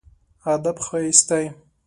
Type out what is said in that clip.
ادب ښايست دی.